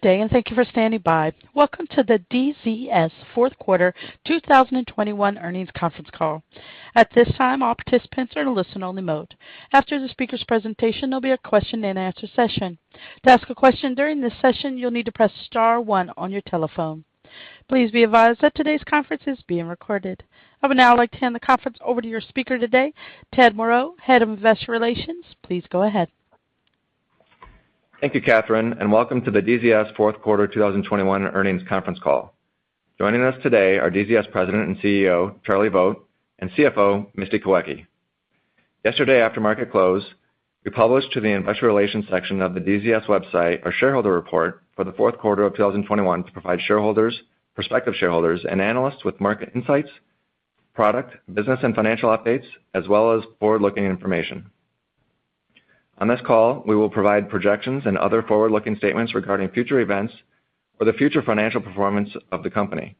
Good day, and thank you for standing by. Welcome to the DZS fourth quarter 2021 earnings conference call. At this time, all participants are in listen-only mode. After the speaker's presentation, there'll be a question and answer session. To ask a question during this session, you'll need to press star one on your telephone. Please be advised that today's conference is being recorded. I would now like to hand the conference over to your speaker today, Ted Moreau, Head of Investor Relations. Please go ahead. Thank you, Catherine, and welcome to the DZS fourth quarter 2021 earnings conference call. Joining us today are DZS President and CEO, Charlie Vogt, and CFO, Misty Kawecki. Yesterday, after market close, we published to the investor relations section of the DZS website our shareholder report for the fourth quarter of 2021 to provide shareholders, prospective shareholders and analysts with market insights, product, business, and financial updates, as well as forward-looking information. On this call, we will provide projections and other forward-looking statements regarding future events or the future financial performance of the company.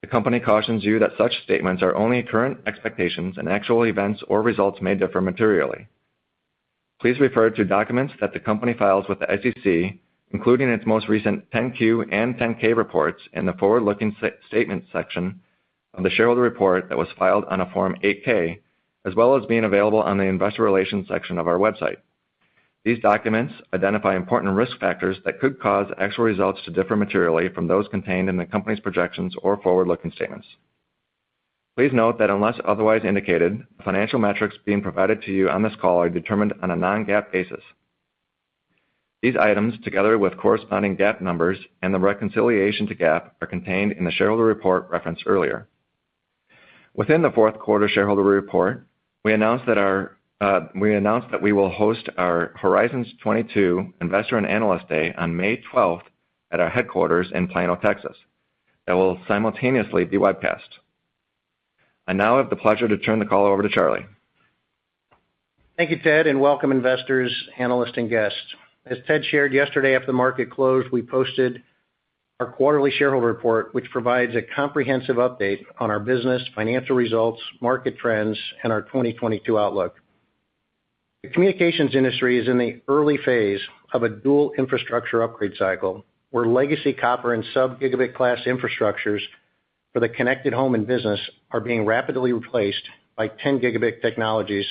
The company cautions you that such statements are only current expectations and actual events or results may differ materially. Please refer to documents that the company files with the SEC, including its most recent 10-Q and 10-K reports in the forward-looking statement section on the shareholder report that was filed on a form 8-K, as well as being available on the investor relations section of our website. These documents identify important risk factors that could cause actual results to differ materially from those contained in the company's projections or forward-looking statements. Please note that unless otherwise indicated, the financial metrics being provided to you on this call are determined on a non-GAAP basis. These items, together with corresponding GAAP numbers and the reconciliation to GAAP, are contained in the shareholder report referenced earlier. Within the fourth quarter shareholder report, we announced that we will host our Horizons22 Investor and Analyst Day on May 12 at our headquarters in Plano, Texas, that will simultaneously be webcast. I now have the pleasure to turn the call over to Charlie. Thank you, Ted, and welcome investors, analysts and guests. As Ted shared yesterday after the market closed, we posted our quarterly shareholder report, which provides a comprehensive update on our business, financial results, market trends, and our 2022 outlook. The communications industry is in the early phase of a dual infrastructure upgrade cycle, where legacy copper and sub-gigabit class infrastructures for the connected home and business are being rapidly replaced by 10 Gb technologies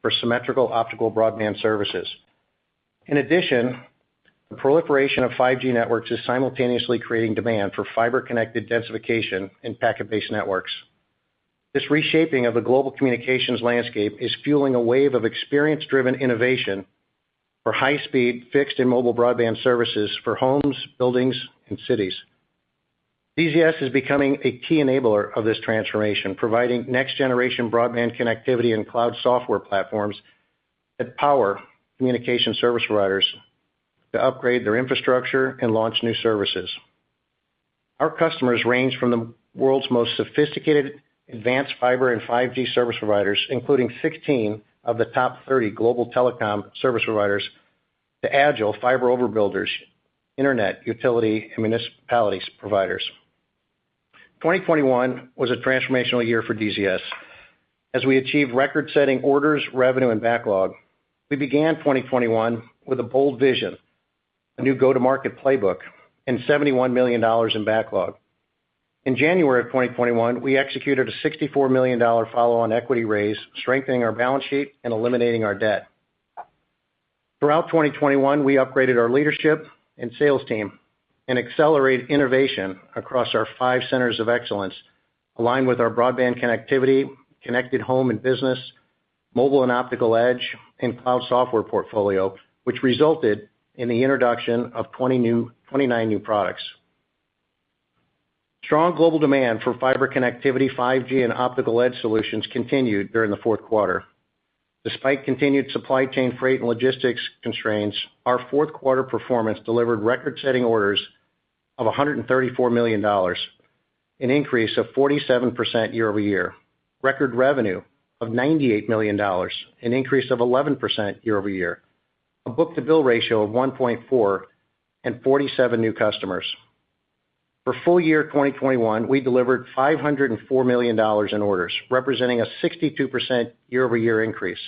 for symmetrical optical broadband services. In addition, the proliferation of 5G networks is simultaneously creating demand for fiber-connected densification and packet-based networks. This reshaping of the global communications landscape is fueling a wave of experience-driven innovation for high-speed fixed and mobile broadband services for homes, buildings, and cities. DZS is becoming a key enabler of this transformation, providing next-generation broadband connectivity and cloud software platforms that power communication service providers to upgrade their infrastructure and launch new services. Our customers range from the world's most sophisticated advanced fiber and 5G service providers, including 16 of the top 30 global telecom service providers, to agile fiber overbuilders, internet, utility, and municipalities providers. 2021 was a transformational year for DZS as we achieved record-setting orders, revenue, and backlog. We began 2021 with a bold vision, a new go-to-market playbook, and $71 million in backlog. In January of 2021, we executed a $64 million follow-on equity raise, strengthening our balance sheet and eliminating our debt. Throughout 2021, we upgraded our leadership and sales team and accelerated innovation across our five centers of excellence, aligned with our broadband connectivity, connected home and business, mobile and optical edge, and cloud software portfolio, which resulted in the introduction of 29 new products. Strong global demand for fiber connectivity, 5G, and optical edge solutions continued during the fourth quarter. Despite continued supply chain freight and logistics constraints, our fourth quarter performance delivered record-setting orders of $134 million, an increase of 47% year-over-year. Record revenue of $98 million, an increase of 11% year-over-year. A book-to-bill ratio of 1.4, and 47 new customers. For full year 2021, we delivered $504 million in orders, representing a 62% year-over-year increase.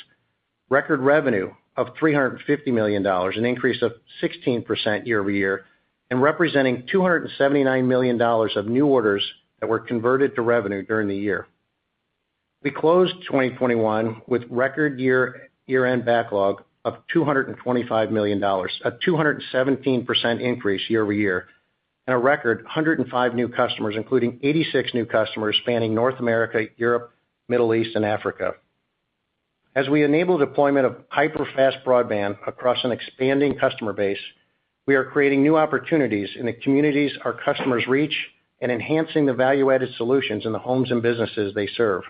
Record revenue of $350 million, an increase of 16% year-over-year, and representing $279 million of new orders that were converted to revenue during the year. We closed 2021 with record year-end backlog of $225 million, a 217% increase year-over-year, and a record 105 new customers, including 86 new customers spanning North America, Europe, Middle East, and Africa. As we enable deployment of hyper-fast broadband across an expanding customer base, we are creating new opportunities in the communities our customers reach and enhancing the value-added solutions in the homes and businesses they serve.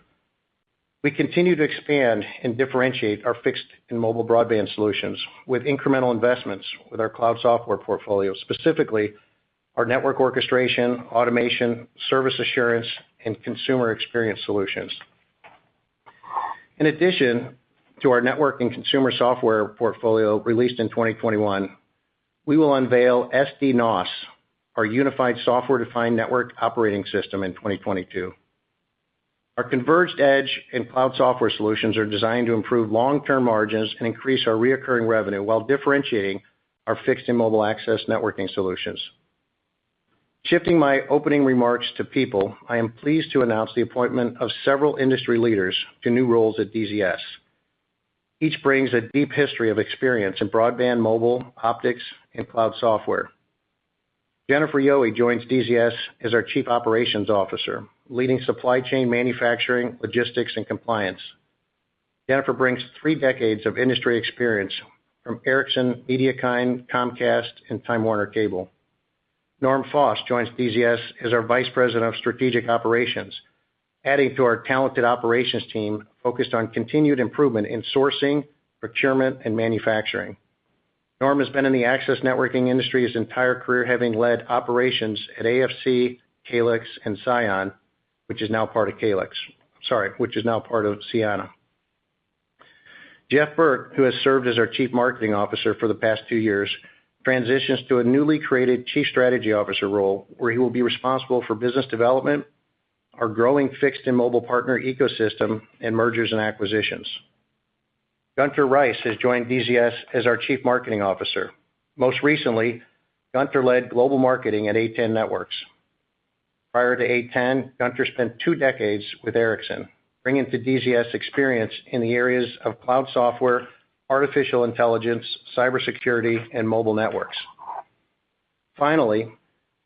We continue to expand and differentiate our fixed and mobile broadband solutions with incremental investments in our cloud software portfolio, specifically our network orchestration, automation, service assurance, and consumer experience solutions. In addition to our network and consumer software portfolio released in 2021, we will unveil SD-NOS, our unified software-defined network operating system, in 2022. Our converged edge and cloud software solutions are designed to improve long-term margins and increase our recurring revenue while differentiating our fixed and mobile access networking solutions. Shifting my opening remarks to people, I am pleased to announce the appointment of several industry leaders to new roles at DZS. Each brings a deep history of experience in broadband mobile, optics, and cloud software. Jennifer Yohe joins DZS as our Chief Operations Officer, leading supply chain manufacturing, logistics, and compliance. Jennifer brings three decades of industry experience from Ericsson, MediaKind, Comcast, and Time Warner Cable. Norm Foust joins DZS as our Vice President of Strategic Operations, adding to our talented operations team focused on continued improvement in sourcing, procurement, and manufacturing. Norm has been in the access networking industry his entire career, having led operations at AFC, Calix, and Cyan, which is now part of Ciena. Jeff Burke, who has served as our Chief Marketing Officer for the past two years, transitions to a newly created Chief Strategy Officer role, where he will be responsible for business development, our growing fixed and mobile partner ecosystem, and mergers and acquisitions. Gunter Reiss has joined DZS as our Chief Marketing Officer. Most recently, Gunter led global marketing at A10 Networks. Prior to A10, Gunter spent two decades with Ericsson, bringing to DZS experience in the areas of cloud software, artificial intelligence, cybersecurity, and mobile networks. Finally,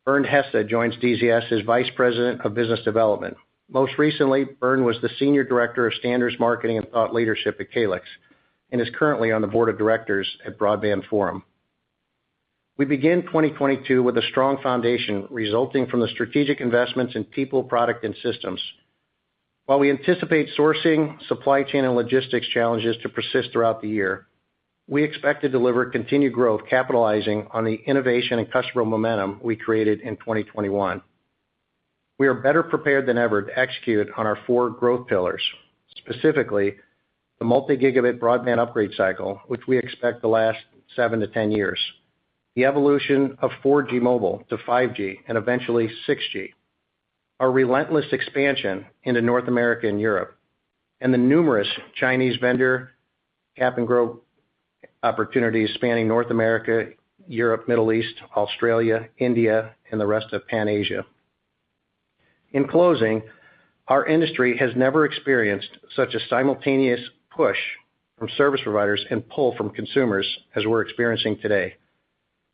Bernd Hesse joins DZS as Vice President of Business Development. Most recently, Bernd was the Senior Director of Standards Marketing and Thought Leadership at Calix, and is currently on the board of directors at Broadband Forum. We begin 2022 with a strong foundation resulting from the strategic investments in people, product, and systems. While we anticipate sourcing, supply chain, and logistics challenges to persist throughout the year, we expect to deliver continued growth, capitalizing on the innovation and customer momentum we created in 2021. We are better prepared than ever to execute on our four growth pillars, specifically the multi-gigabit broadband upgrade cycle, which we expect to last seven to 10 years, the evolution of 4G mobile to 5G and eventually 6G, our relentless expansion into North America and Europe, and the numerous Chinese vendor cap and grow opportunities spanning North America, Europe, Middle East, Australia, India, and the rest of Pan Asia. In closing, our industry has never experienced such a simultaneous push from service providers and pull from consumers as we're experiencing today.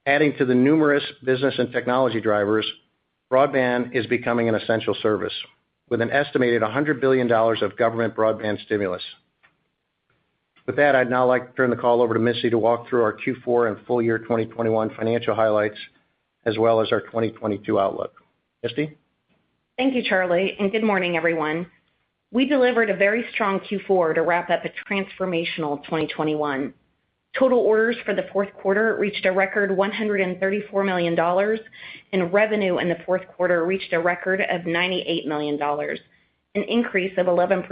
Adding to the numerous business and technology drivers, broadband is becoming an essential service with an estimated $100 billion of government broadband stimulus. With that, I'd now like to turn the call over to Misty to walk through our Q4 and full year 2021 financial highlights as well as our 2022 outlook. Misty? Thank you, Charlie, and good morning, everyone. We delivered a very strong Q4 to wrap up a transformational 2021. Total orders for the fourth quarter reached a record $134 million, and revenue in the fourth quarter reached a record of $98 million, an increase of 11%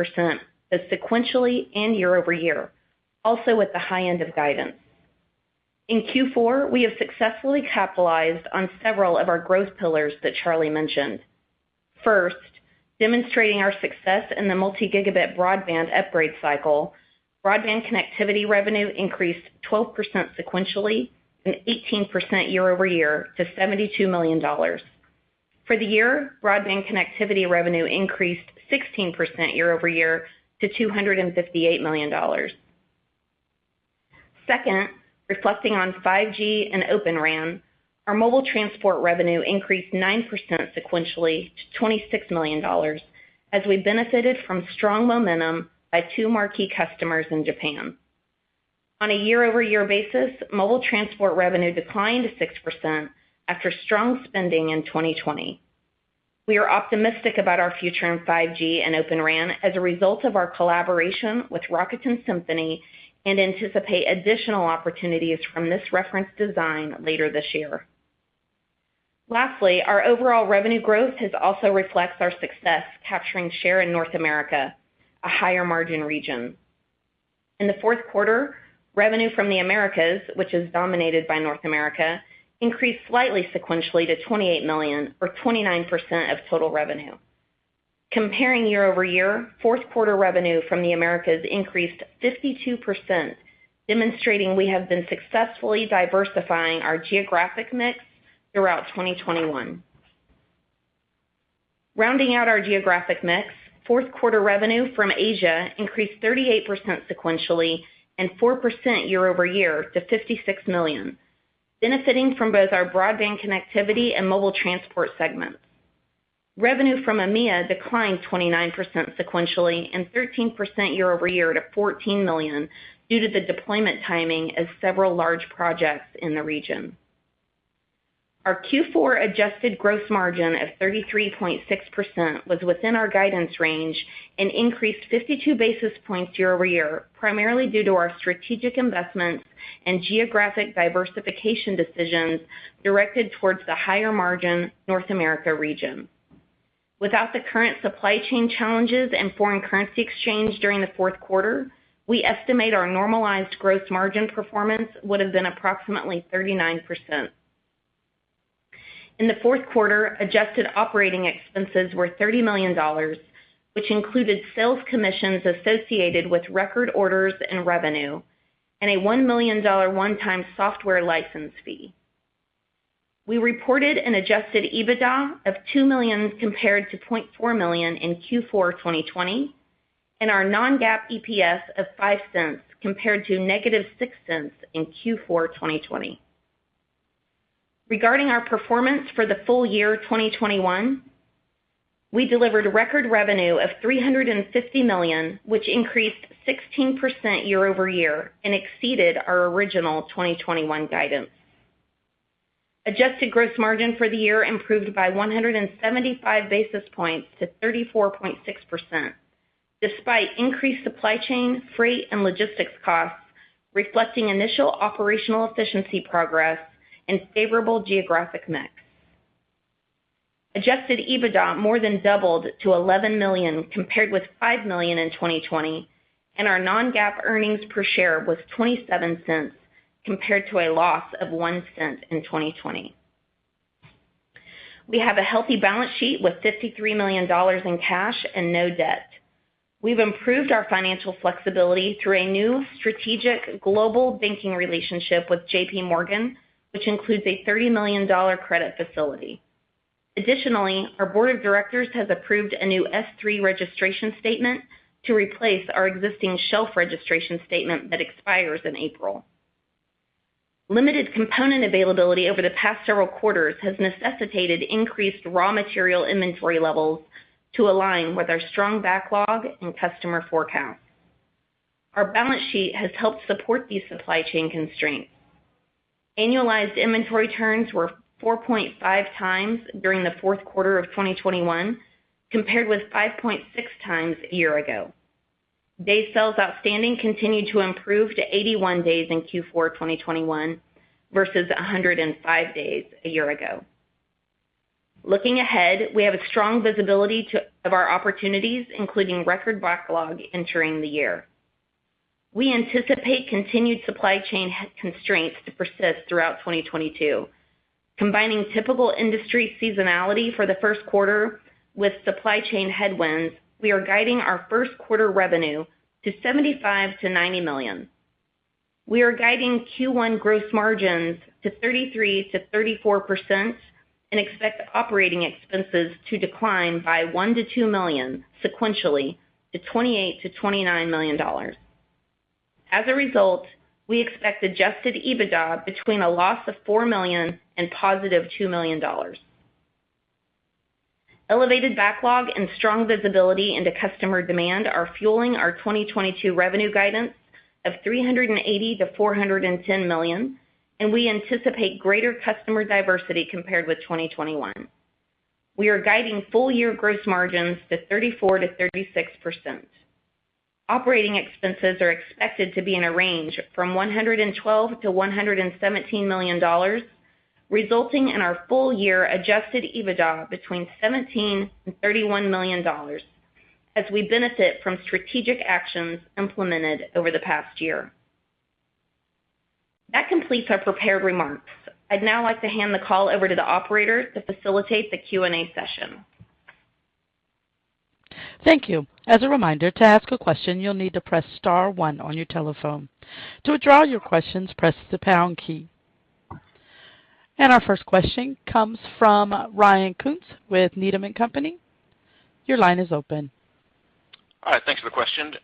both sequentially and year-over-year, also at the high end of guidance. In Q4, we have successfully capitalized on several of our growth pillars that Charlie mentioned. First, demonstrating our success in the multi-gigabit broadband upgrade cycle, broadband connectivity revenue increased 12% sequentially and 18% year-over-year to $72 million. For the year, broadband connectivity revenue increased 16% year-over-year to $258 million. Second, reflecting on 5G and Open RAN, our mobile transport revenue increased 9% sequentially to $26 million as we benefited from strong momentum by two marquee customers in Japan. On a year-over-year basis, mobile transport revenue declined 6% after strong spending in 2020. We are optimistic about our future in 5G and Open RAN as a result of our collaboration with Rakuten Symphony, and anticipate additional opportunities from this reference design later this year. Lastly, our overall revenue growth has also reflected our success capturing share in North America, a higher margin region. In the fourth quarter, revenue from the Americas, which is dominated by North America, increased slightly sequentially to $28 million or 29% of total revenue. Comparing year-over-year, fourth quarter revenue from the Americas increased 52%, demonstrating we have been successfully diversifying our geographic mix throughout 2021. Rounding out our geographic mix, fourth quarter revenue from Asia increased 38% sequentially and 4% year-over-year to $56 million, benefiting from both our broadband connectivity and mobile transport segments. Revenue from EMEA declined 29% sequentially and 13% year-over-year to $14 million due to the deployment timing of several large projects in the region. Our Q4 adjusted gross margin of 33.6% was within our guidance range and increased 52 basis points year-over-year, primarily due to our strategic investments and geographic diversification decisions directed towards the higher margin North America region. Without the current supply chain challenges and foreign currency exchange during the fourth quarter, we estimate our normalized gross margin performance would have been approximately 39%. In the fourth quarter, adjusted operating expenses were $30 million, which included sales commissions associated with record orders and revenue and a $1 million one-time software license fee. We reported an adjusted EBITDA of $2 million compared to $0.4 million in Q4 2020, and our non-GAAP EPS of $0.05 compared to -$0.06 in Q4 2020. Regarding our performance for the full year 2021, we delivered a record revenue of $350 million, which increased 16% year-over-year and exceeded our original 2021 guidance. Adjusted gross margin for the year improved by 175 basis points to 34.6%, despite increased supply chain, freight, and logistics costs, reflecting initial operational efficiency progress and favorable geographic mix. Adjusted EBITDA more than doubled to $11 million compared with $5 million in 2020, and our non-GAAP earnings per share was $0.27 compared to a loss of $0.01 in 2020. We have a healthy balance sheet with $53 million in cash and no debt. We've improved our financial flexibility through a new strategic global banking relationship with JPMorgan, which includes a $30 million credit facility. Additionally, our board of directors has approved a new S-3 registration statement to replace our existing shelf registration statement that expires in April. Limited component availability over the past several quarters has necessitated increased raw material inventory levels to align with our strong backlog and customer forecasts. Our balance sheet has helped support these supply chain constraints. Annualized inventory turns were 4.5x during the fourth quarter of 2021, compared with 5.6x a year ago. Day sales outstanding continued to improve to 81 days in Q4 2021 versus 105 days a year ago. Looking ahead, we have a strong visibility of our opportunities, including record backlog entering the year. We anticipate continued supply chain constraints to persist throughout 2022. Combining typical industry seasonality for the first quarter with supply chain headwinds, we are guiding our first quarter revenue to $75 million-$90 million. We are guiding Q1 gross margins to 33%-34% and expect operating expenses to decline by $1 million-$2 million sequentially to $28 million-$29 million. As a result, we expect adjusted EBITDA between a loss of $4 million and positive $2 million. Elevated backlog and strong visibility into customer demand are fueling our 2022 revenue guidance of $380 million-$410 million, and we anticipate greater customer diversity compared with 2021. We are guiding full year gross margins to 34%-36%. Operating expenses are expected to be in a range from $112 million-$117 million, resulting in our full year adjusted EBITDA between $17 million and $31 million as we benefit from strategic actions implemented over the past year. That completes our prepared remarks. I'd now like to hand the call over to the operator to facilitate the Q&A session. Thank you. As a reminder, to ask a question, you'll need to press star one on your telephone. To withdraw your questions, press the pound key. Our first question comes from Ryan Koontz with Needham & Company. Your line is open. All right. Thanks for the question.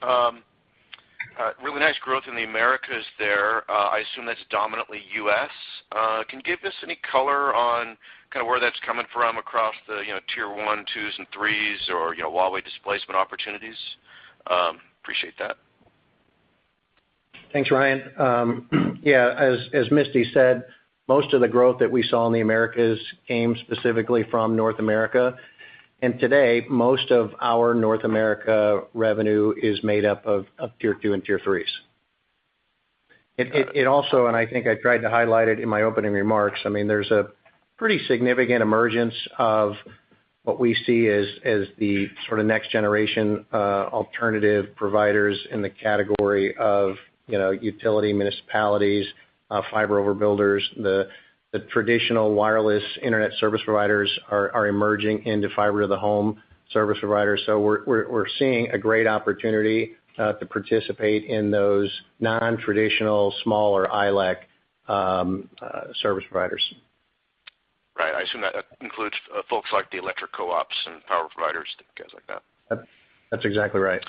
Really nice growth in the Americas there. I assume that's dominantly U.S. Can you give us any color on kinda where that's coming from across the, you know, tier one, twos, and threes or, you know, Huawei displacement opportunities? Appreciate that. Thanks, Ryan. Yeah, as Misty said, most of the growth that we saw in the Americas came specifically from North America. Today, most of our North America revenue is made up of tier two and tier threes. It also, and I think I tried to highlight it in my opening remarks, I mean, there's a pretty significant emergence of what we see as the sort of next generation alternative providers in the category of, you know, utility municipalities, fiber overbuilders. The traditional wireless internet service providers are emerging into fiber to the home service providers. We're seeing a great opportunity to participate in those non-traditional, smaller ILEC service providers. Right. I assume that includes, folks like the electric co-ops and power providers, guys like that. That's exactly right.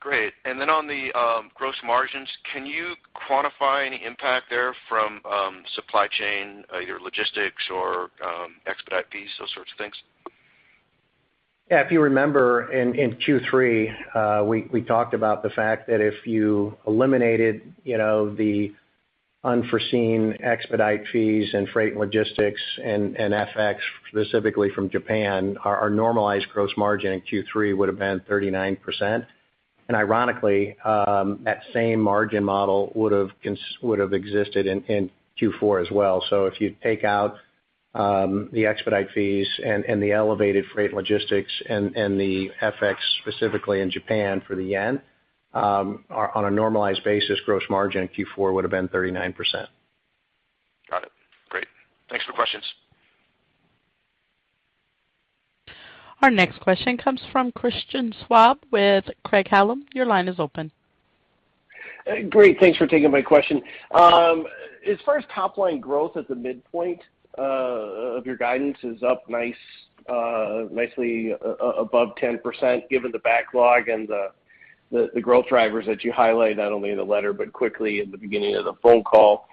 Great. On the gross margins, can you quantify any impact there from supply chain, either logistics or expedite fees, those sorts of things? Yeah. If you remember in Q3, we talked about the fact that if you eliminated, you know, the unforeseen expedite fees and freight logistics and FX, specifically from Japan, our normalized gross margin in Q3 would have been 39%. And ironically, that same margin model would've existed in Q4 as well. If you take out the expedite fees and the elevated freight logistics and the FX specifically in Japan for the yen, our on a normalized basis, gross margin in Q4 would have been 39%. Got it. Great. Thanks for questions. Our next question comes from Christian Schwab with Craig-Hallum. Your line is open. Great. Thanks for taking my question. As far as top line growth at the midpoint of your guidance is up nicely above 10% given the backlog and the growth drivers that you highlight not only in the letter, but quickly in the beginning of the phone call.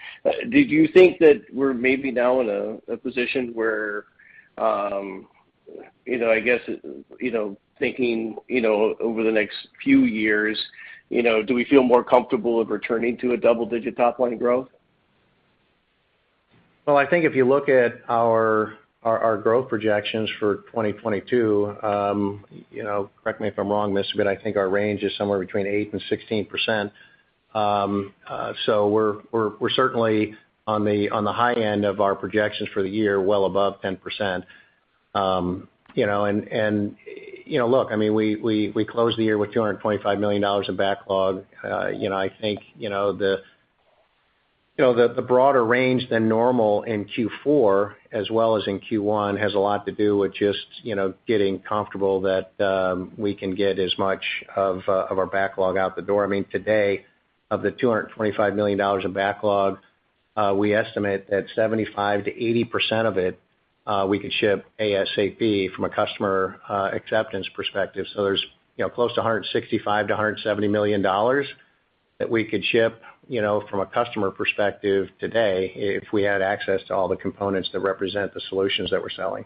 Did you think that we're maybe now in a position where, you know, I guess, you know, thinking, you know, over the next few years, you know, do we feel more comfortable of returning to a double-digit top line growth? Well, I think if you look at our growth projections for 2022, you know, correct me if I'm wrong, Misty, but I think our range is somewhere between 8%-16%. We're certainly on the high end of our projections for the year, well above 10%. You know, look, I mean, we closed the year with $225 million in backlog. You know, I think the broader range than normal in Q4 as well as in Q1 has a lot to do with just you know, getting comfortable that we can get as much of our backlog out the door. I mean, today, of the $225 million of backlog, we estimate that 75%-80% of it, we could ship ASAP from a customer acceptance perspective. There's, you know, close to $165 million-$170 million that we could ship, you know, from a customer perspective today if we had access to all the components that represent the solutions that we're selling.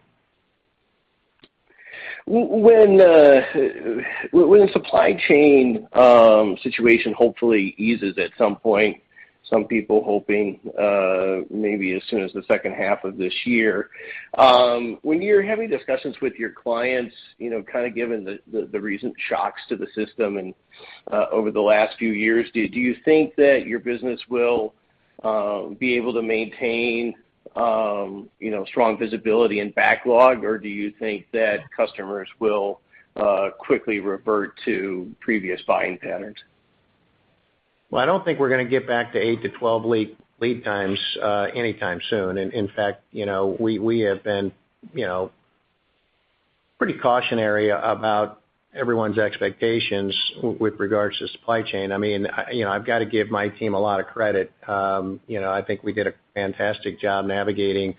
When the supply chain situation hopefully eases at some point, some people hoping, maybe as soon as the second half of this year, when you're having discussions with your clients, you know, kind of given the recent shocks to the system and over the last few years, do you think that your business will be able to maintain, you know, strong visibility and backlog? Or do you think that customers will quickly revert to previous buying patterns? Well, I don't think we're gonna get back to eight to 12 lead times anytime soon. In fact, you know, we have been, you know, pretty cautionary about everyone's expectations with regards to supply chain. I mean, you know, I've got to give my team a lot of credit. You know, I think we did a fantastic job navigating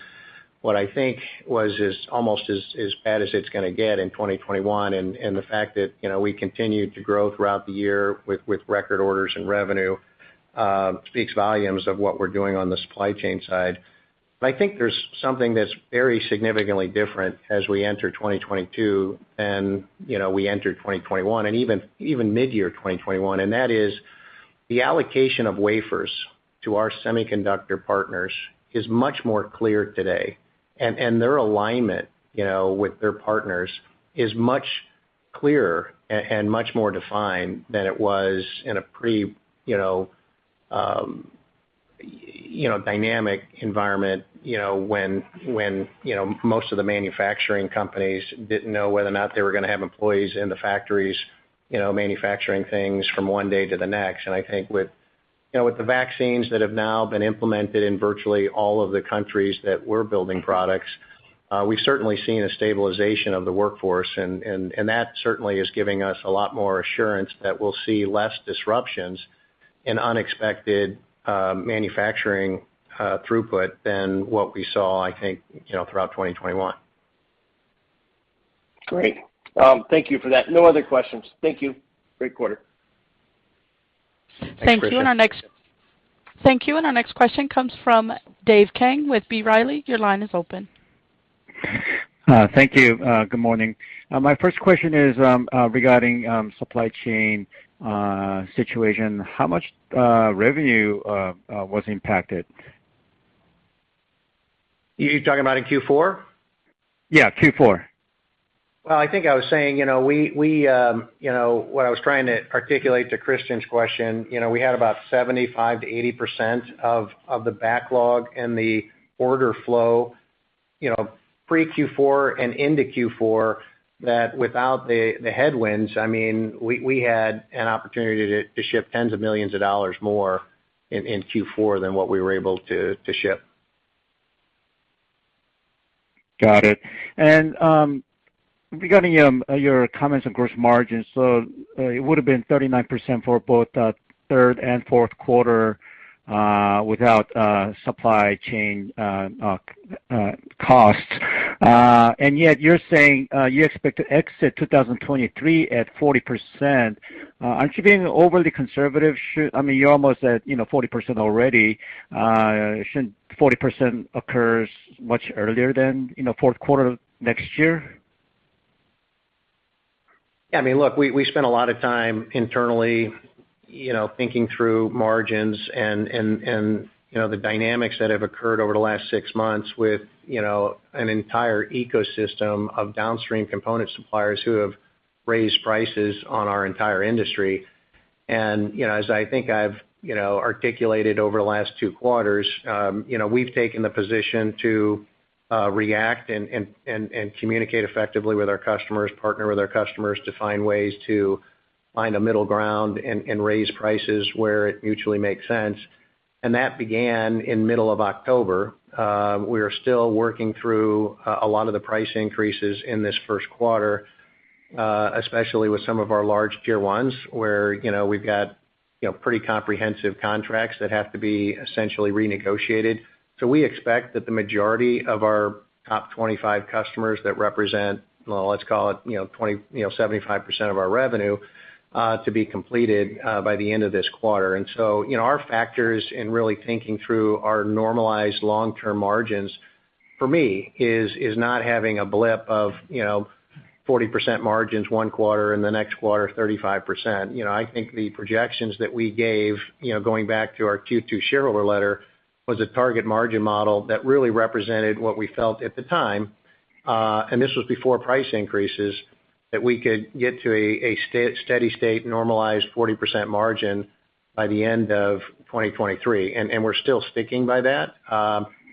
what I think was almost as bad as it's gonna get in 2021. The fact that, you know, we continued to grow throughout the year with record orders and revenue speaks volumes of what we're doing on the supply chain side. I think there's something that's very significantly different as we enter 2022 and, you know, we entered 2021 and even midyear 2021, and that is the allocation of wafers to our semiconductor partners is much more clear today. Their alignment, you know, with their partners is much clearer and much more defined than it was in a pretty dynamic environment, you know, when, you know, most of the manufacturing companies didn't know whether or not they were gonna have employees in the factories, you know, manufacturing things from one day to the next. I think with, you know, with the vaccines that have now been implemented in virtually all of the countries that we're building products, we've certainly seen a stabilization of the workforce. That certainly is giving us a lot more assurance that we'll see less disruptions in unexpected manufacturing throughput than what we saw, I think, you know, throughout 2021. Great. Thank you for that. No other questions. Thank you. Great quarter. Thanks, Christian. Thank you. Our next question comes from Dave Kang with B. Riley. Your line is open. Thank you. Good morning. My first question is regarding supply chain situation. How much revenue was impacted? You talking about in Q4? Yeah, Q4. Well, I think I was saying, you know, we had about 75%-80% of the backlog and the order flow, you know, pre-Q4 and into Q4, that without the headwinds, I mean, we had an opportunity to ship $10s of millions more in Q4 than what we were able to ship. Got it. Regarding your comments on gross margins, it would have been 39% for both third and fourth quarter without supply chain costs. Yet you're saying you expect to exit 2023 at 40%. Aren't you being overly conservative? I mean, you're almost at, you know, 40% already. Shouldn't 40% occurs much earlier than, you know, fourth quarter next year? I mean, look, we spend a lot of time internally, you know, thinking through margins and, you know, the dynamics that have occurred over the last six months with, you know, an entire ecosystem of downstream component suppliers who have raised prices on our entire industry. You know, as I think I've, you know, articulated over the last two quarters, we've taken the position to react and communicate effectively with our customers, partner with our customers to find ways to find a middle ground and raise prices where it mutually makes sense. That began in middle of October. We are still working through a lot of the price increases in this first quarter, especially with some of our large tier ones, where, you know, we've got, you know, pretty comprehensive contracts that have to be essentially renegotiated. We expect that the majority of our top 25 customers that represent, well, let's call it, you know, 75% of our revenue, to be completed, by the end of this quarter. You know, our factors in really thinking through our normalized long-term margins, for me, is not having a blip of, you know, 40% margins one quarter and the next quarter 35%. You know, I think the projections that we gave, you know, going back to our Q2 shareholder letter, was a target margin model that really represented what we felt at the time, and this was before price increases, that we could get to a steady state normalized 40% margin by the end of 2023. We're still sticking by that.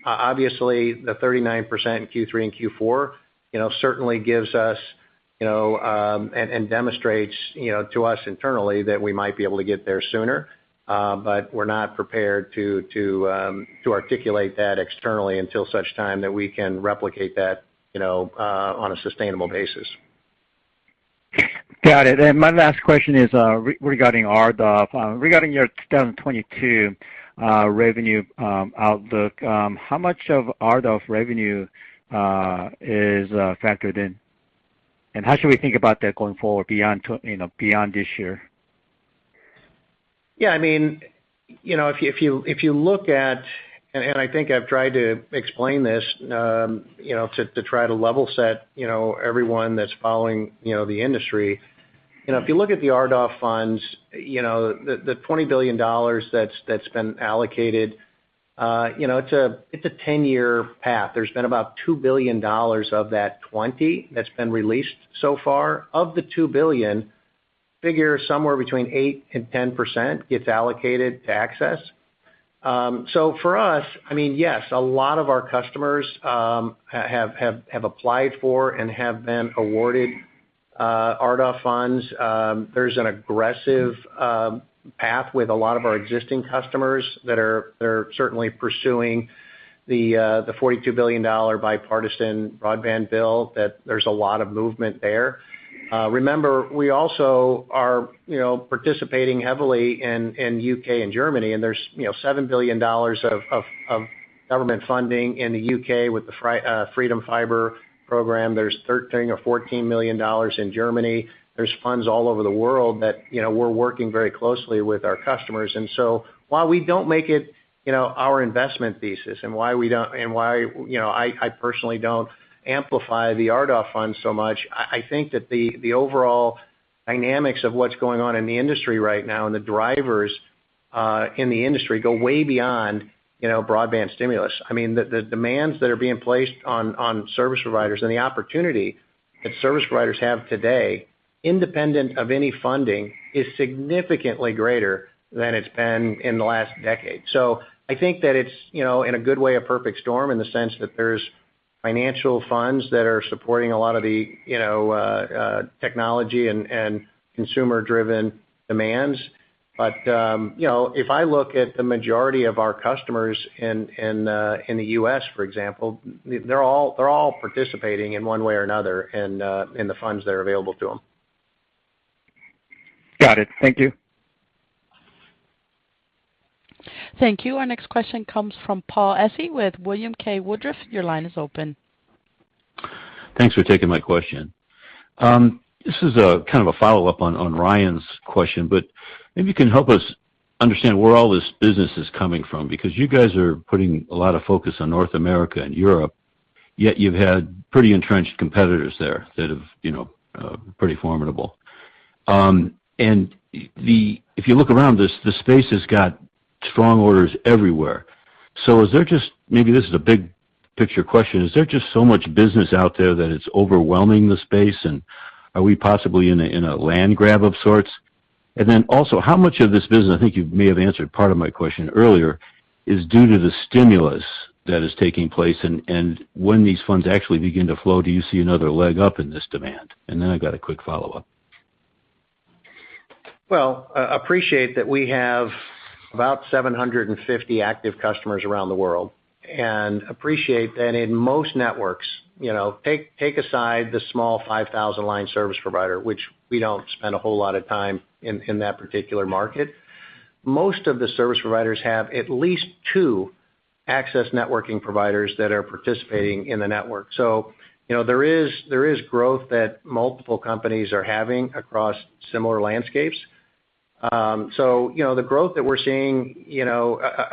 Obviously, the 39% in Q3 and Q4 certainly gives us, you know, and demonstrates, you know, to us internally that we might be able to get there sooner. We're not prepared to articulate that externally until such time that we can replicate that, you know, on a sustainable basis. Got it. My last question is regarding RDOF. Regarding your 2022 revenue outlook, how much of RDOF revenue is factored in? How should we think about that going forward beyond you know, beyond this year? Yeah, I mean, you know, if you look at, I think I've tried to explain this, you know, to try to level set everyone that's following the industry. You know, if you look at the RDOF funds, you know, the $20 billion that's been allocated, you know, it's a 10-year path. There's been about $2 billion of that $20 billion that's been released so far. Of the $2 billion, figure somewhere between 8%-10% gets allocated to access. For us, I mean, yes, a lot of our customers have applied for and have been awarded RDOF funds. There's an aggressive path with a lot of our existing customers that are certainly pursuing the $42 billion bipartisan broadband bill. There's a lot of movement there. Remember, we also are, you know, participating heavily in the U.K. and Germany, and there's, you know, $7 billion of government funding in the U.K. with the Project Gigabit program. There's $13 million or $14 million in Germany. There's funds all over the world that, you know, we're working very closely with our customers. While we don't make it, you know, our investment thesis and why we don't, and why, you know, I personally don't amplify the RDOF fund so much, I think that the overall dynamics of what's going on in the industry right now and the drivers in the industry go way beyond, you know, broadband stimulus. I mean, the demands that are being placed on service providers and the opportunity that service providers have today, independent of any funding, is significantly greater than it's been in the last decade. I think that it's, you know, in a good way, a perfect storm in the sense that there's financial funds that are supporting a lot of the, you know, technology and consumer-driven demands. You know, if I look at the majority of our customers in the U.S., for example, they're all participating in one way or another in the funds that are available to them. Got it. Thank you. Thank you. Our next question comes from Paul Essi with William K. Woodruff. Your line is open. Thanks for taking my question. This is kind of a follow-up on Ryan's question, but maybe you can help us understand where all this business is coming from because you guys are putting a lot of focus on North America and Europe, yet you've had pretty entrenched competitors there that have, you know, pretty formidable. If you look around, the space has got strong orders everywhere. Is there just, maybe this is a big picture question, is there just so much business out there that it's overwhelming the space? And are we possibly in a land grab of sorts? And then also, how much of this business, I think you may have answered part of my question earlier, is due to the stimulus that is taking place? when these funds actually begin to flow, do you see another leg up in this demand? I've got a quick follow-up. I appreciate that we have about 750 active customers around the world, and appreciate that in most networks, taking aside the small 5,000 line service provider, which we don't spend a whole lot of time in that particular market. Most of the service providers have at least two access networking providers that are participating in the network. There is growth that multiple companies are having across similar landscapes. The growth that we're seeing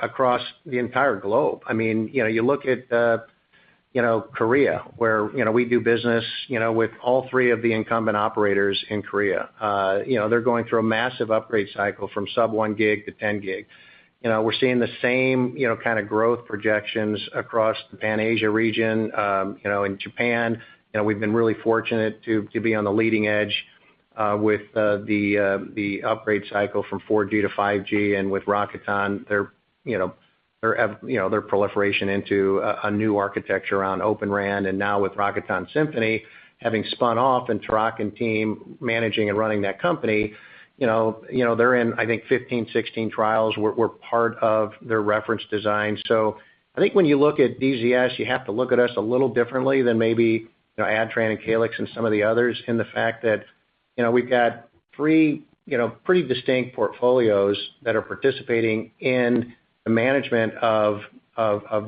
across the entire globe, you look at Korea, where we do business with all three of the incumbent operators in Korea. They're going through a massive upgrade cycle from sub 1 Gb to 10 Gb. You know, we're seeing the same, you know, kind of growth projections across the Pan Asia region. You know, in Japan, you know, we've been really fortunate to be on the leading edge with the upgrade cycle from 4G to 5G and with Rakuten, their, you know, their proliferation into a new architecture on Open RAN, and now with Rakuten Symphony having spun off and Tareq and team managing and running that company, you know, you know, they're in, I think 15, 16 trials. We're part of their reference design. I think when you look at DZS, you have to look at us a little differently than maybe, you know, Adtran and Calix and some of the others in the fact that, you know, we've got three, you know, pretty distinct portfolios that are participating in the management of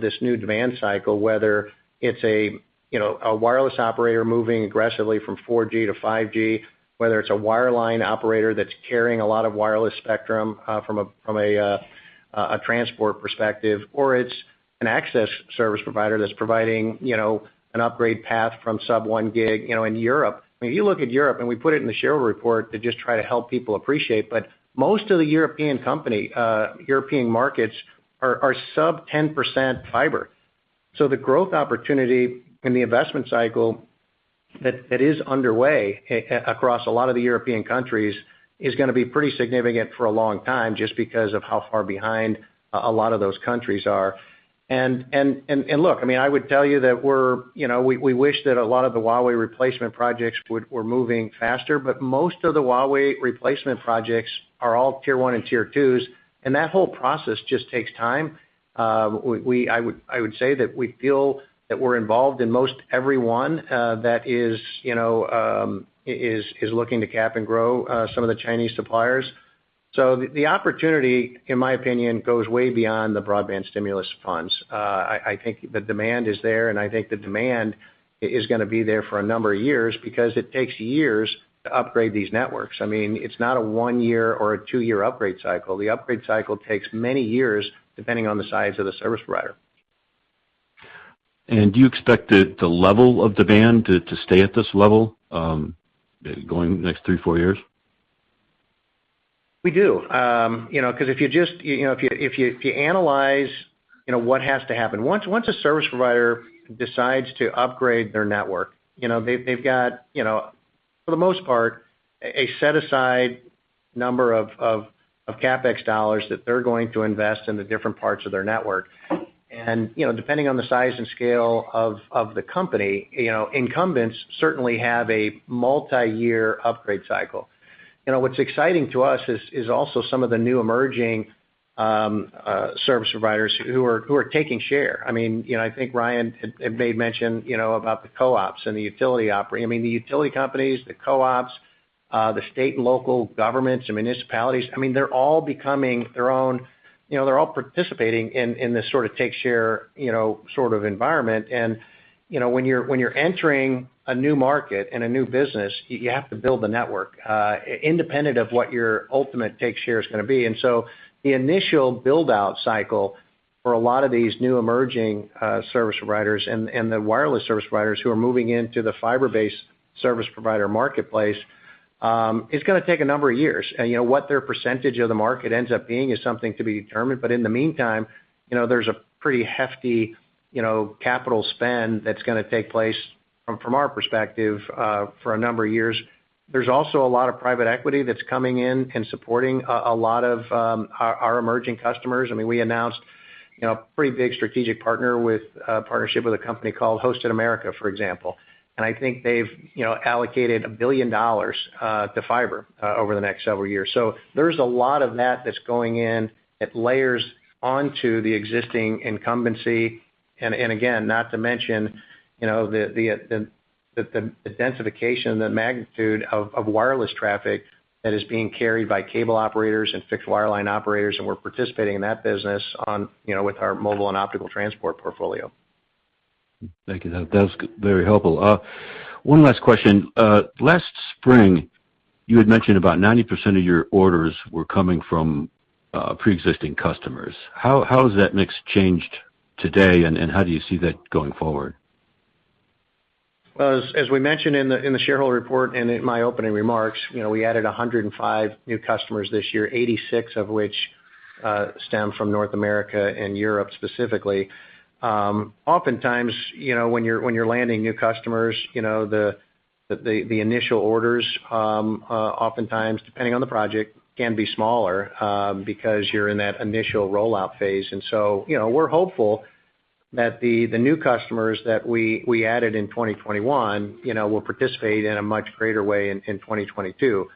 this new demand cycle, whether it's a, you know, a wireless operator moving aggressively from 4G to 5G, whether it's a wireline operator that's carrying a lot of wireless spectrum from a transport perspective, or it's an access service provider that's providing, you know, an upgrade path from sub-1 gig in Europe. I mean, if you look at Europe, and we put it in the shareholder report to just try to help people appreciate, but most of the European countries are sub-10% fiber. The growth opportunity in the investment cycle that is underway across a lot of the European countries is gonna be pretty significant for a long time just because of how far behind a lot of those countries are. Look, I mean, I would tell you that we wish that a lot of the Huawei replacement projects were moving faster, but most of the Huawei replacement projects are all tier one and tier twos, and that whole process just takes time. I would say that we feel that we're involved in most every one that is looking to cap and grow some of the Chinese suppliers. The opportunity, in my opinion, goes way beyond the broadband stimulus funds. I think the demand is there, and I think the demand is gonna be there for a number of years because it takes years to upgrade these networks. I mean, it's not a one-year or a two-year upgrade cycle. The upgrade cycle takes many years depending on the size of the service provider. Do you expect the level of demand to stay at this level going next three, four years? We do. You know, 'cause if you analyze what has to happen. Once a service provider decides to upgrade their network, you know, they've got, you know, for the most part, a set aside number of CapEx dollars that they're going to invest in the different parts of their network. You know, depending on the size and scale of the company, you know, incumbents certainly have a multi-year upgrade cycle. You know, what's exciting to us is also some of the new emerging service providers who are taking share. I mean, you know, I think Ryan had made mention, you know, about the co-ops and the utility companies, the co-ops, the state and local governments and municipalities, I mean, they're all becoming their own, you know, they're all participating in this sort of take share, you know, sort of environment. You know, when you're entering a new market and a new business, you have to build the network independent of what your ultimate take share is gonna be. The initial build-out cycle for a lot of these new emerging service providers and the wireless service providers who are moving into the fiber-based service provider marketplace is gonna take a number of years. You know, what their percentage of the market ends up being is something to be determined, but in the meantime, you know, there's a pretty hefty, you know, capital spend that's gonna take place from our perspective for a number of years. There's also a lot of private equity that's coming in and supporting a lot of our emerging customers. I mean, we announced, you know, a pretty big strategic partnership with a company called Hosted America, for example. I think they've, you know, allocated $1 billion to fiber over the next several years. There's a lot of that that's going in. It layers onto the existing incumbency, and again, not to mention, you know, the densification, the magnitude of wireless traffic that is being carried by cable operators and fixed wireline operators, and we're participating in that business, you know, with our mobile and optical transport portfolio. Thank you. That was very helpful. One last question. Last spring, you had mentioned about 90% of your orders were coming from pre-existing customers. How has that mix changed today, and how do you see that going forward? Well, as we mentioned in the shareholder report and in my opening remarks, you know, we added 105 new customers this year, 86 of which stem from North America and Europe specifically. Oftentimes, you know, when you're landing new customers, you know, the initial orders oftentimes, depending on the project, can be smaller because you're in that initial rollout phase. You know, we're hopeful that the new customers that we added in 2021 will participate in a much greater way in 2022.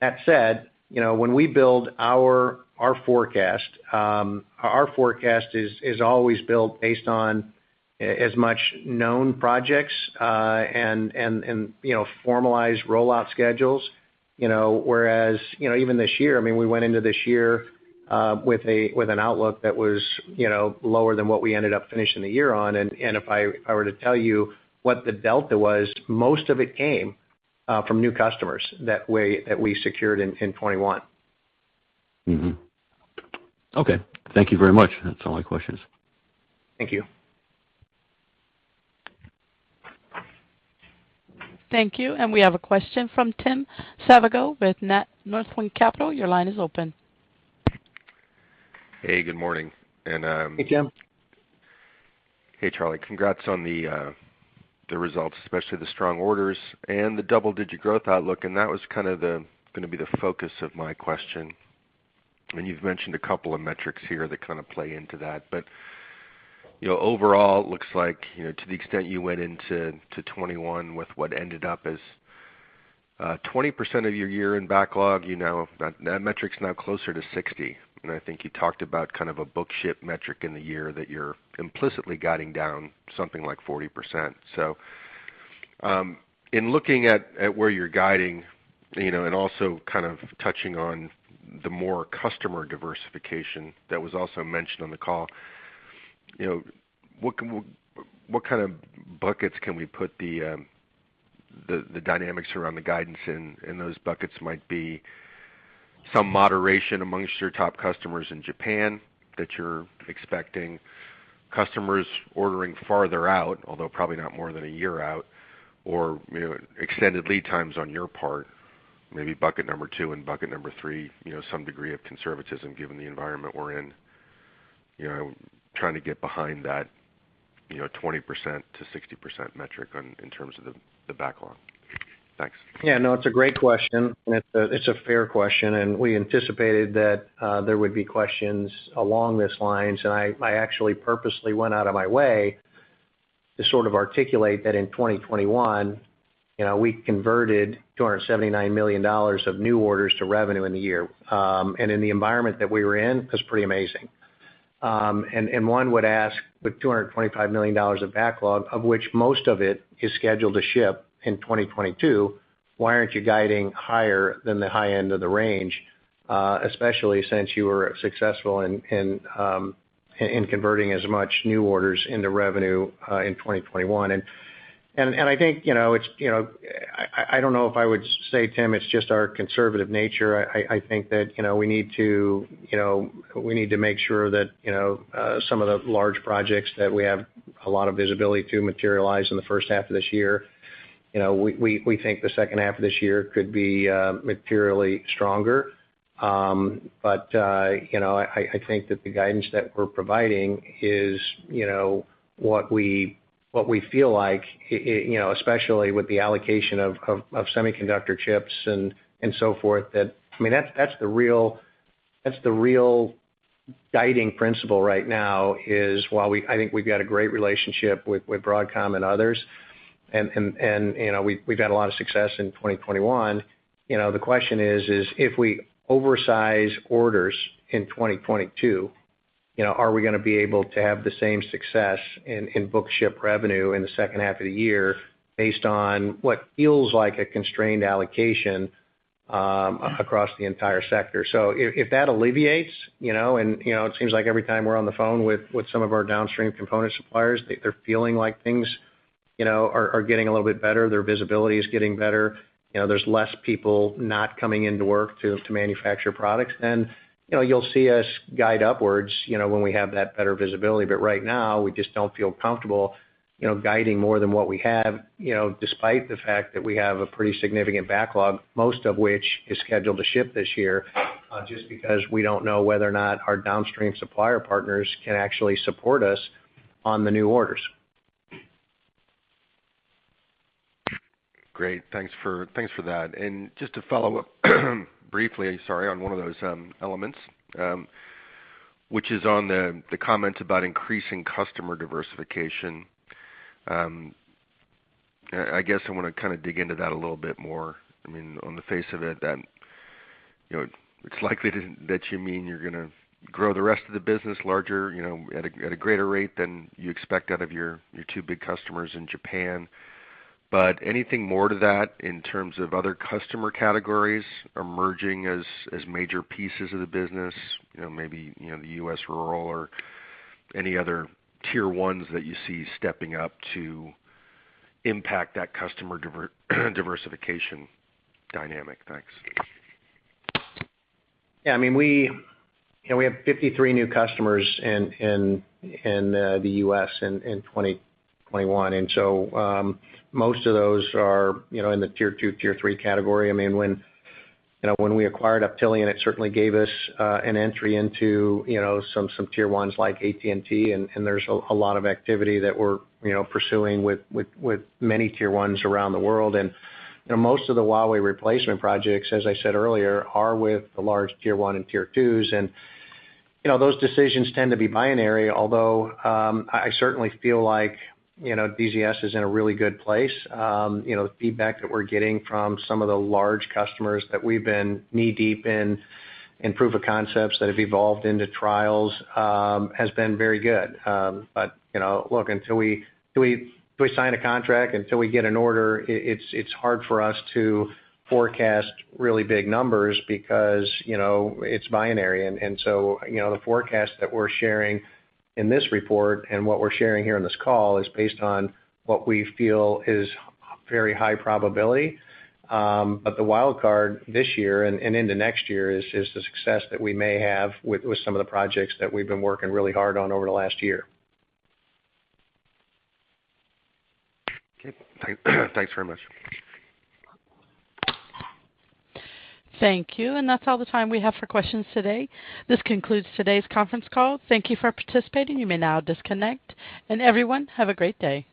That said, you know, when we build our forecast, our forecast is always built based on as much known projects and, you know, formalized rollout schedules, you know, whereas, you know, even this year, I mean, we went into this year with an outlook that was, you know, lower than what we ended up finishing the year on. If I were to tell you what the delta was, most of it came from new customers that we secured in 2021. Okay. Thank you very much. That's all my questions. Thank you. Thank you. We have a question from Tim Savageaux with Northland Capital Markets. Your line is open. Hey, good morning. Hey, Tim. Hey, Charlie. Congrats on the results, especially the strong orders and the double-digit growth outlook. That was kind of gonna be the focus of my question. You've mentioned a couple of metrics here that kind of play into that. You know, overall, looks like, you know, to the extent you went into 2021 with what ended up as 20% of your year in backlog, you know, that metric's now closer to 60. I think you talked about kind of a book-to-ship metric in the year that you're implicitly guiding down something like 40%. In looking at where you're guiding, you know, and also kind of touching on the more customer diversification that was also mentioned on the call, you know, what kind of buckets can we put the dynamics around the guidance in, and those buckets might be some moderation amongst your top customers in Japan that you're expecting, customers ordering farther out, although probably not more than a year out, or, you know, extended lead times on your part, maybe bucket number two and bucket number three, you know, some degree of conservatism given the environment we're in. You know, trying to get behind that 20%-60% metric in terms of the backlog. Thanks. Yeah, no, it's a great question, and it's a fair question. We anticipated that there would be questions along these lines. I actually purposely went out of my way to sort of articulate that in 2021, you know, we converted $279 million of new orders to revenue in the year. In the environment that we were in, that's pretty amazing. One would ask, with $225 million of backlog, of which most of it is scheduled to ship in 2022, why aren't you guiding higher than the high end of the range, especially since you were successful in converting as much new orders into revenue in 2021? I think, you know, it's, you know. I don't know if I would say, Tim, it's just our conservative nature. I think that, you know, we need to make sure that, you know, some of the large projects that we have a lot of visibility to materialize in the first half of this year. You know, we think the second half of this year could be materially stronger. You know, I think that the guidance that we're providing is, you know, what we feel like, you know, especially with the allocation of semiconductor chips and so forth, that. I mean, that's the real guiding principle right now, while I think we've got a great relationship with Broadcom and others, and you know, we've had a lot of success in 2021. You know, the question is if we oversize orders in 2022, you know, are we gonna be able to have the same success in book-to-ship revenue in the second half of the year based on what feels like a constrained allocation across the entire sector. If that alleviates, you know, it seems like every time we're on the phone with some of our downstream component suppliers, they're feeling like things you know are getting a little bit better, their visibility is getting better. You know, there's less people not coming into work to manufacture products. You know, you'll see us guide upwards, you know, when we have that better visibility. Right now, we just don't feel comfortable, you know, guiding more than what we have, you know, despite the fact that we have a pretty significant backlog, most of which is scheduled to ship this year, just because we don't know whether or not our downstream supplier partners can actually support us on the new orders. Great. Thanks for that. Just to follow up briefly, sorry, on one of those elements, which is on the comments about increasing customer diversification. I guess I wanna kinda dig into that a little bit more. I mean, on the face of it, you know, it's likely that you mean you're gonna grow the rest of the business larger, you know, at a greater rate than you expect out of your two big customers in Japan. Anything more to that in terms of other customer categories emerging as major pieces of the business? You know, maybe, you know, the U.S. rural or any other tier ones that you see stepping up to impact that customer diversification dynamic. Thanks. I mean, we, you know, we have 53 new customers in the U.S. in 2021. Most of those are, you know, in the tier two, tier three category. When we acquired Optelian, it certainly gave us an entry into, you know, some tier ones like AT&T, and there's a lot of activity that we're, you know, pursuing with many tier ones around the world. Most of the Huawei replacement projects, as I said earlier, are with the large tier one and tier twos. Those decisions tend to be binary, although I certainly feel like, you know, DZS is in a really good place. You know, the feedback that we're getting from some of the large customers that we've been knee-deep in proof of concepts that have evolved into trials has been very good. But, you know, look, until we sign a contract, until we get an order, it's hard for us to forecast really big numbers because, you know, it's binary. You know, the forecast that we're sharing in this report and what we're sharing here on this call is based on what we feel is very high probability. But the wild card this year and into next year is the success that we may have with some of the projects that we've been working really hard on over the last year. Okay. Thanks very much. Thank you. That's all the time we have for questions today. This concludes today's conference call. Thank you for participating. You may now disconnect. Everyone, have a great day.